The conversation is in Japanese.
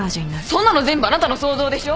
そんなの全部あなたの想像でしょ。